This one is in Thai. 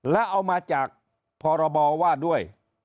แล้วเอามาจากพรบว่าด้วย